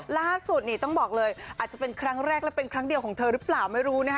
ล่าสุดนี่ต้องบอกเลยอาจจะเป็นครั้งแรกและเป็นครั้งเดียวของเธอหรือเปล่าไม่รู้นะคะ